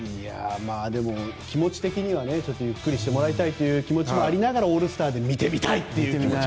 でも、気持ち的にはゆっくりしてもらいたいという思いもありながらオールスターで見てみたいという気持ちも。